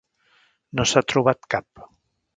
No s'ha trobat cap.